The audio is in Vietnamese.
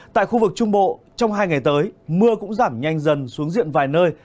tại khu vực trung bộ trong hai ngày tới mưa cũng giảm nhanh dần xuống diện vài nơi